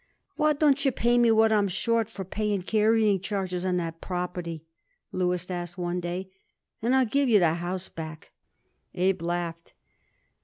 "Why don't you pay me what I am short from paying carrying charges on that property?" Louis asked one day. "And I'll give you the house back." Abe laughed.